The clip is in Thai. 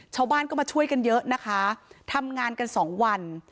ชาวบ้านก็มาช่วยกันเยอะนะคะทำงานกันสองวัน